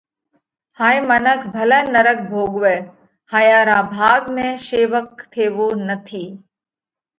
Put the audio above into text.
ھائي منک ڀلئہ نرڳ ڀوڳوئہ ھايا را ڀاڳ ۾ شيوڪ ٿيوو نٿِي۔